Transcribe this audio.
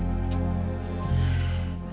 eh bandai kempes lagi